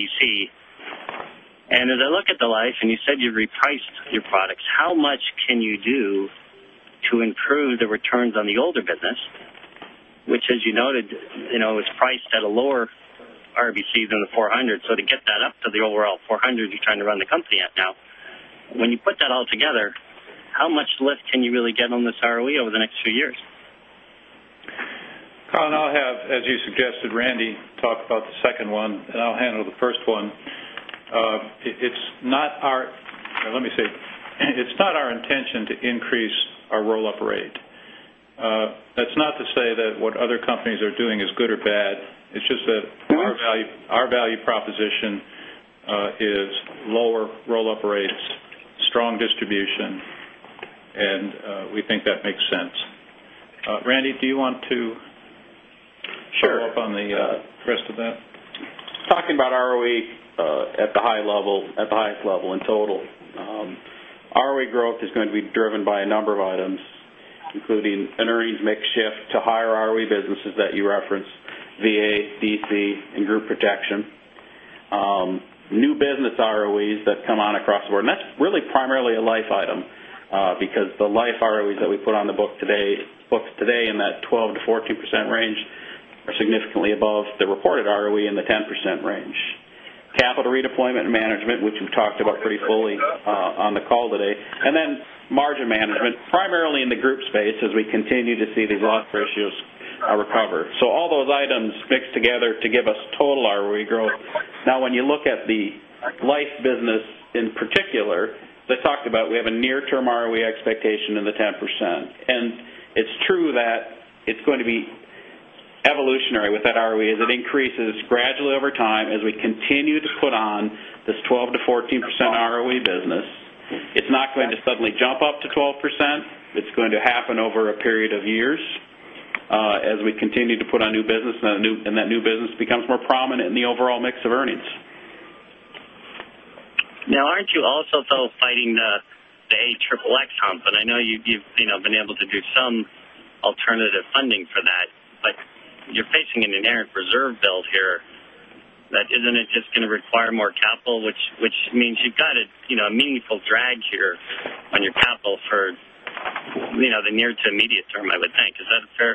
DC. As I look at the life, and you said you repriced your products, how much can you do to improve the returns on the older business, which as you noted, is priced at a lower RBC than the 400. To get that up to the overall 400 you're trying to run the company at now, when you put that all together, how much lift can you really get on this ROE over the next few years? Colin, I'll have, as you suggested, Randy talk about the second one. I'll handle the first one. Let me see. It's not our intention to increase our roll-up rate. That's not to say that what other companies are doing is good or bad. It's just that our value proposition is lower roll-up rates, strong distribution, we think that makes sense. Randy, do you want to- Sure follow up on the rest of that? Talking about ROE at the highest level in total. ROE growth is going to be driven by a number of items, including entering makeshift to higher ROE businesses that you referenced, VA, DC, and group protection. New business ROEs that come on across the board, and that's really primarily a life item because the life ROEs that we put on the books today in that 12%-14% range are significantly above the reported ROE in the 10% range. Capital redeployment and management, which we've talked about pretty fully on the call today, and then margin management, primarily in the group space as we continue to see these loss ratios recover. All those items mixed together to give us total ROE growth. When you look at the life business in particular, as I talked about, we have a near-term ROE expectation in the 10%. It's true that it's going to be evolutionary with that ROE is it increases gradually over time as we continue to put on this 12%-14% ROE business. It's not going to suddenly jump up to 12%. It's going to happen over a period of years, as we continue to put on new business, and that new business becomes more prominent in the overall mix of earnings. Aren't you also, though, fighting the XXX comp? I know you've been able to do some alternative funding for that, but you're facing an inherent reserve build here that isn't it just going to require more capital? This means you've got a meaningful drag here on your capital for the near to immediate term, I would think. Is that a fair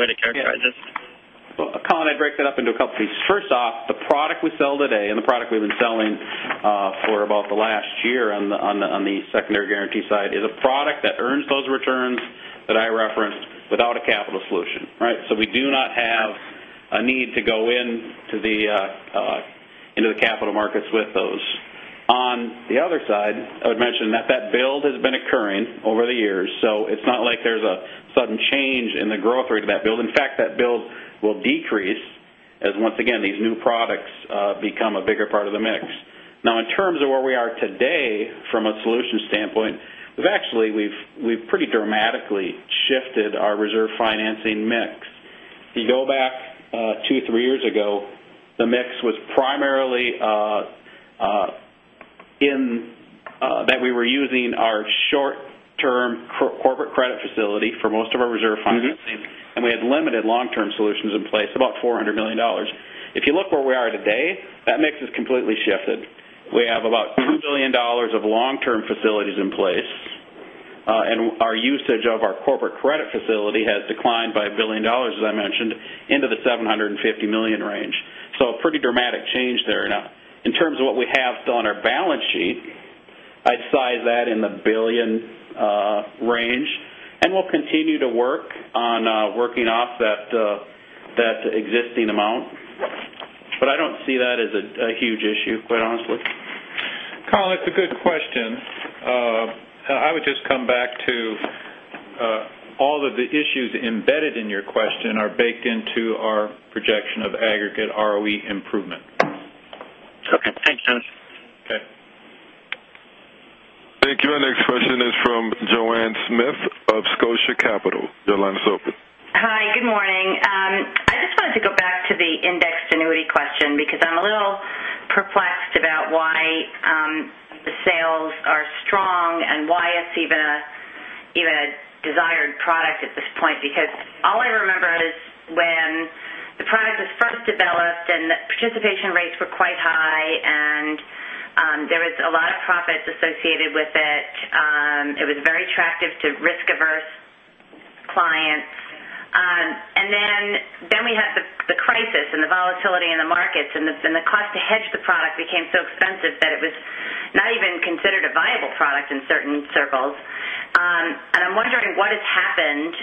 way to characterize this? Well, Colin, I'd break that up into a couple pieces. First off, the product we sell today and the product we've been selling for about the last year on the secondary guarantee side is a product that earns those returns that I referenced without a capital solution. Right? We do not have a need to go into the capital markets with those. On the other side, I would mention that that build has been occurring over the years, it's not like there's a sudden change in the growth rate of that build. In fact, that build will decrease as, once again, these new products become a bigger part of the mix. In terms of where we are today from a solution standpoint, we've actually pretty dramatically shifted our reserve financing mix. If you go back two, three years ago, the mix was primarily that we were using our short-term corporate credit facility for most of our reserve financing. We had limited long-term solutions in place, about $400 million. If you look where we are today, that mix has completely shifted. We have about $2 billion of long-term facilities in place, and our usage of our corporate credit facility has declined by $1 billion, as I mentioned, into the $750 million range. A pretty dramatic change there. Now, in terms of what we have on our balance sheet, I'd size that in the $1 billion range, and we'll continue to work on working off that existing amount. I don't see that as a huge issue, quite honestly. Colin, it's a good question. I would just come back to all of the issues embedded in your question are baked into our projection of aggregate ROE improvement. Okay. Thanks, gentlemen. Okay. Thank you. Our next question is from Joanne Smith of Scotia Capital. Your line is open. Hi. Good morning. I just wanted to go back to the indexed annuity question because I'm a little perplexed about why the sales are strong and why it's even a desired product at this point. All I remember is when the product was first developed and the participation rates were quite high and there was a lot of profits associated with it. It was very attractive to risk-averse clients. Then we had the crisis and the volatility in the markets, and the cost to hedge the product became so expensive that it was not even considered a viable product in certain circles. I'm wondering what has happened.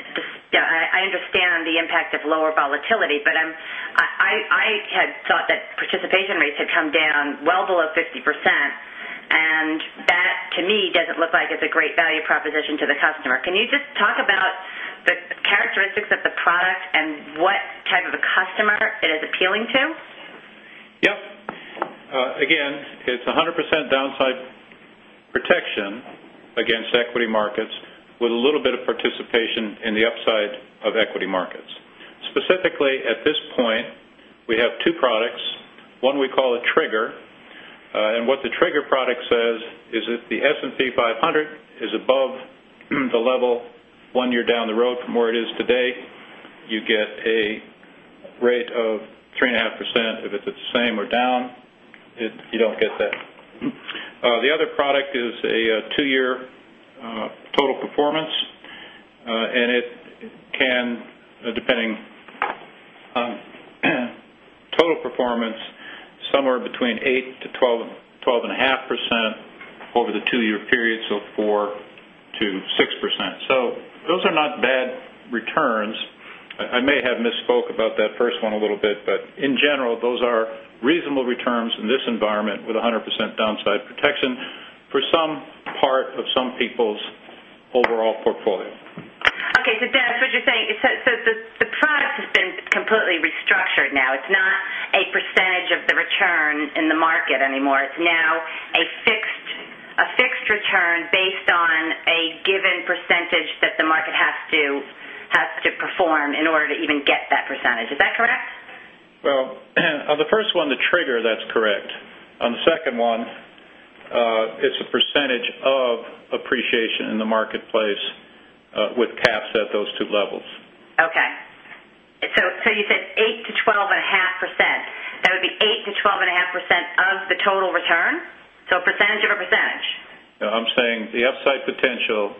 I understand the impact of lower volatility, but I had thought that participation rates had come down well below 50%, and that, to me, doesn't look like it's a great value proposition to the customer. Can you just talk about the characteristics of the product and what type of a customer it is appealing to? Yep. Again, it's 100% downside protection against equity markets with a little bit of participation in the upside of equity markets. Specifically at this point, we have two products. One we call a trigger, and what the trigger product says is if the S&P 500 is above the level one year down the road from where it is today, you get a rate of 3.5%. If it's the same or down, you don't get that. The other product is a two-year total performance, and it can, depending on total performance, somewhere between 8%-12.5% over the two-year period, so 4%-6%. Those are not bad returns. I may have misspoke about that first one a little bit, but in general, those are reasonable returns in this environment with 100% downside protection for some part of some people's overall portfolio. Okay. So then, what you're saying, the product has been completely restructured now, it's not a % of the return in the market anymore. It's now a fixed return based on a given % that the market has to perform in order to even get that %. Is that correct? Well, on the first one, the trigger, that's correct. On the second one, it's a % of appreciation in the marketplace, with caps at those 2 levels. Okay. You said 8%-12.5%. That would be 8%-12.5% of the total return? % of a %. No, I'm saying the upside potential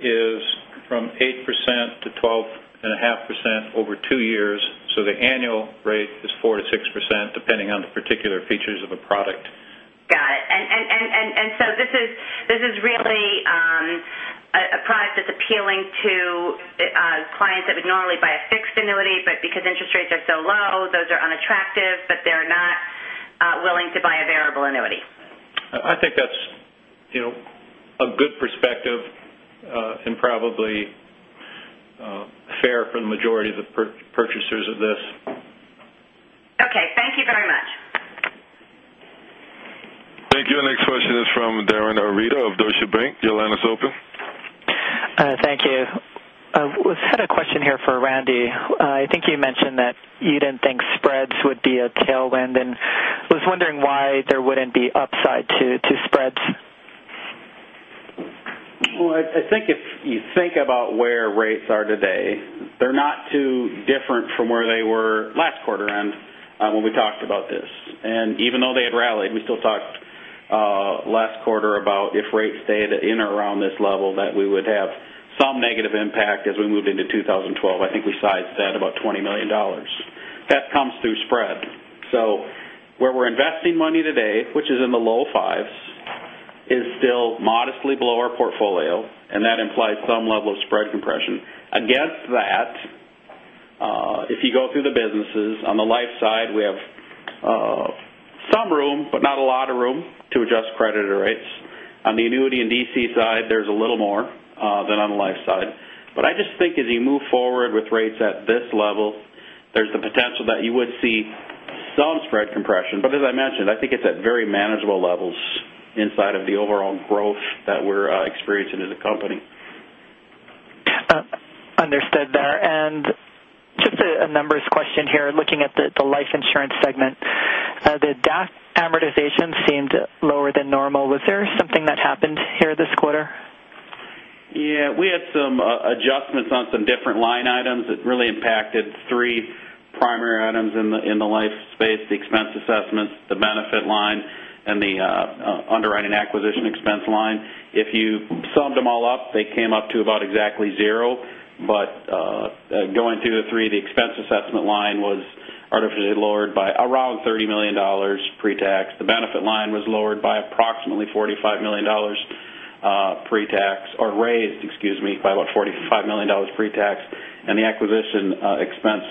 is from 8%-12.5% over two years. The annual rate is 4%-6%, depending on the particular features of a product. Got it. This is really a product that's appealing to clients that would normally buy a fixed annuity, but because interest rates are so low, those are unattractive, but they're not willing to buy a variable annuity. I think that's- Probably fair for the majority of the purchasers of this. Okay, thank you very much. Thank you. Our next question is from Darin Arita of Deutsche Bank. Your line is open. Thank you. I just had a question here for Randy. I think you mentioned that you didn't think spreads would be a tailwind, and I was wondering why there wouldn't be upside to spreads. Well, I think if you think about where rates are today, they're not too different from where they were last quarter when we talked about this. Even though they had rallied, we still talked last quarter about if rates stayed in or around this level, that we would have some negative impact as we moved into 2012. I think we sized that about $20 million. That comes through spread. Where we're investing money today, which is in the low fives, is still modestly below our portfolio, and that implies some level of spread compression. Against that, if you go through the businesses, on the life side, we have some room, but not a lot of room to adjust creditor rates. On the annuity and DC side, there's a little more than on the life side. I just think as you move forward with rates at this level, there's the potential that you would see some spread compression. As I mentioned, I think it's at very manageable levels inside of the overall growth that we're experiencing as a company. Understood there. Just a numbers question here, looking at the life insurance segment. The DAC amortization seemed lower than normal. Was there something that happened here this quarter? We had some adjustments on some different line items that really impacted three primary items in the life space, the expense assessments, the benefit line, and the underwriting acquisition expense line. If you summed them all up, they came up to about exactly zero. Going through the three, the expense assessment line was artificially lowered by around $30 million pre-tax. The benefit line was raised by about $45 million pre-tax. The acquisition expense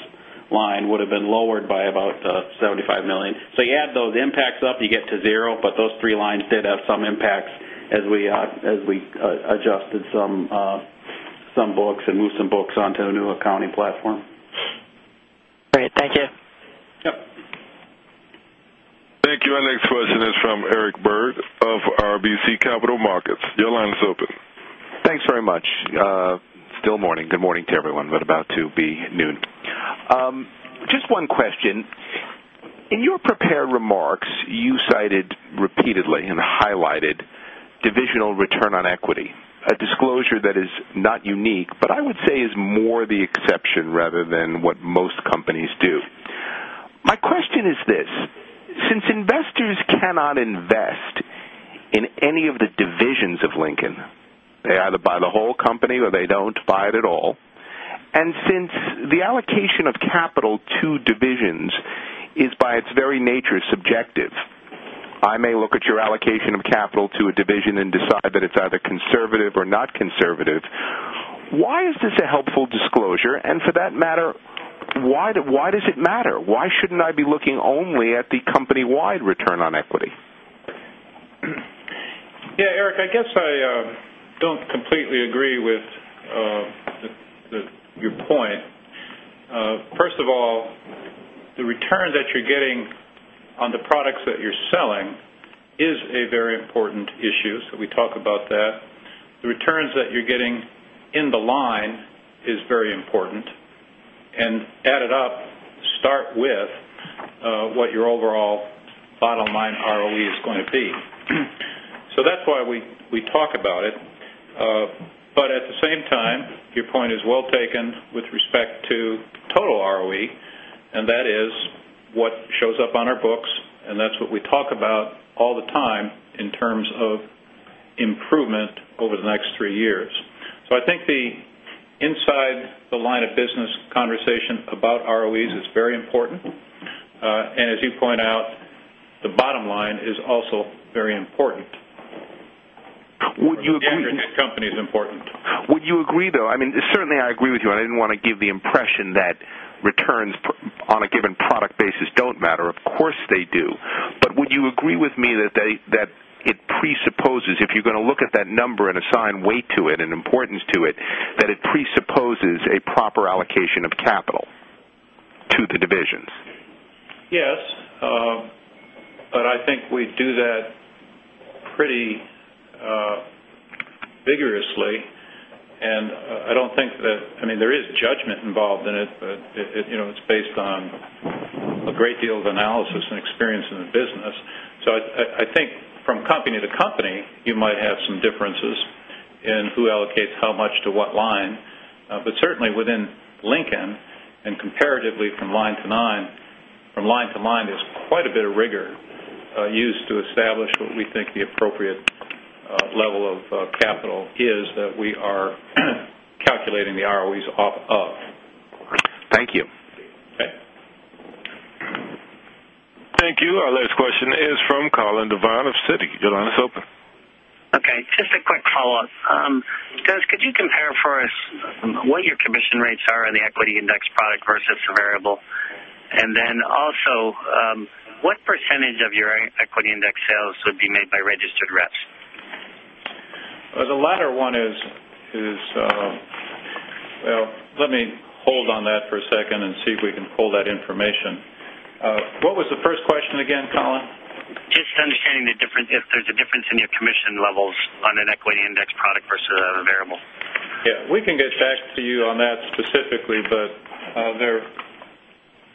line would have been lowered by about $75 million. You add those impacts up, you get to zero, but those three lines did have some impacts as we adjusted some books and moved some books onto a new accounting platform. Great. Thank you. Yep. Thank you. Our next question is from Eric Berg of RBC Capital Markets. Your line is open. Thanks very much. Still morning. Good morning to everyone, but about to be noon. Just one question. In your prepared remarks, you cited repeatedly and highlighted divisional return on equity, a disclosure that is not unique, but I would say is more the exception rather than what most companies do. My question is this, since investors cannot invest in any of the divisions of Lincoln, they either buy the whole company or they don't buy it at all, and since the allocation of capital to divisions is by its very nature subjective, I may look at your allocation of capital to a division and decide that it's either conservative or not conservative. Why is this a helpful disclosure? For that matter, why does it matter? Why shouldn't I be looking only at the company-wide return on equity? Yeah, Eric, I guess I don't completely agree with your point. First of all, the return that you're getting on the products that you're selling is a very important issue, we talk about that. The returns that you're getting in the line is very important and added up start with what your overall bottom line ROE is going to be. That's why we talk about it. At the same time, your point is well taken with respect to total ROE, and that is what shows up on our books, and that's what we talk about all the time in terms of improvement over the next three years. I think the inside the line of business conversation about ROEs is very important. As you point out, the bottom line is also very important. Would you agree. The aggregate company is important. Would you agree, though, I mean, certainly I agree with you, and I didn't want to give the impression that returns on a given product basis don't matter. Of course, they do. Would you agree with me that it presupposes if you're going to look at that number and assign weight to it and importance to it, that it presupposes a proper allocation of capital to the divisions? Yes. I think we do that pretty vigorously, and I don't think that I mean, there is judgment involved in it, but it's based on a great deal of analysis and experience in the business. I think from company to company, you might have some differences in who allocates how much to what line. Certainly within Lincoln and comparatively from line to line, there's quite a bit of rigor used to establish what we think the appropriate level of capital is that we are calculating the ROEs off of. Thank you. Okay. Thank you. Our last question is from Colin Devine of Citi. Your line is open. Okay, just a quick follow-up. Guys, could you compare what your commission rates are on the equity index product versus the variable. Also, what percentage of your equity index sales would be made by registered reps? Well, the latter one. Let me hold on that for a second and see if we can pull that information. What was the first question again, Colin? Just understanding if there's a difference in your commission levels on an equity index product versus a variable. Yeah. We can get back to you on that specifically,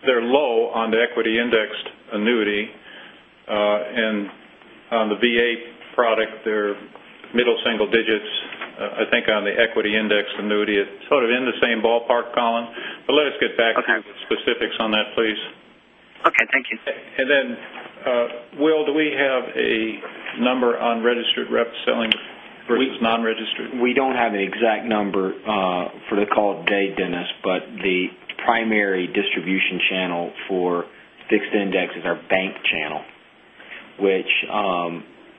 they're low on the equity indexed annuity. On the VA product, they're middle single digits. I think on the equity index annuity, it's sort of in the same ballpark, Colin. Let us get back to you. Okay to you with specifics on that, please. Okay. Thank you. Will, do we have a number on registered rep selling versus non-registered? We don't have an exact number for the call today, Dennis, but the primary distribution channel for fixed index is our bank channel, which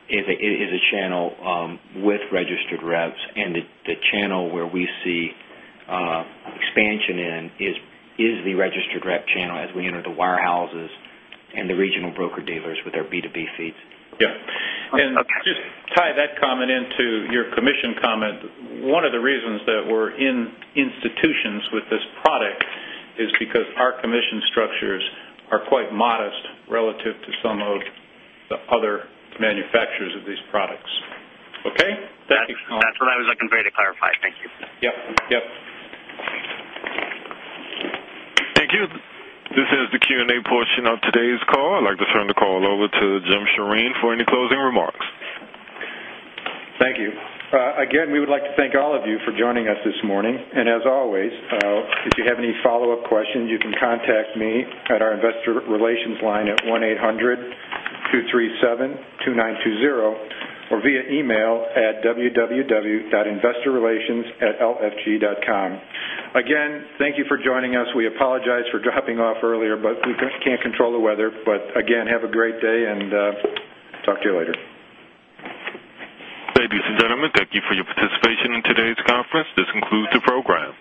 is a channel with registered reps. The channel where we see expansion in is the registered rep channel as we enter the wirehouses and the regional broker-dealers with our B2B feeds. Yeah. Okay. Just tie that comment into your commission comment. One of the reasons that we're in institutions with this product is because our commission structures are quite modest relative to some of the other manufacturers of these products. Okay? That's what I was looking for you to clarify. Thank you. Yep. Yep. Thank you. This ends the Q&A portion of today's call. I'd like to turn the call over to Jim Sjoreen for any closing remarks. Thank you. Again, we would like to thank all of you for joining us this morning. As always, if you have any follow-up questions, you can contact me at our investor relations line at 1-800-237-2920 or via email at www.investorrelations@lfg.com. Again, thank you for joining us. We apologize for dropping off earlier, we can't control the weather. Again, have a great day, and talk to you later. Ladies and gentlemen, thank you for your participation in today's conference. This concludes the program.